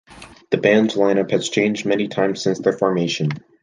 The band's lineup has changed many times since their formation.